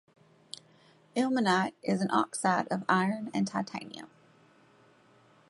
Ilmenite is an oxide of iron and titanium.